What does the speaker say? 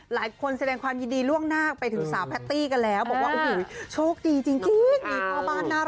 หลายคนแสดงความยินดีล่วงหน้าไปถึงสาวแพตตี้กันแล้วบอกว่าโอ้โฮโชคดีจริง